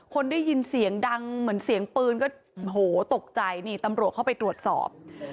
คนได้ยินเสียงดังเหมือนเสียงปืนก็โหตกใจนี่ตำรวจเข้าไปตรวจสอบ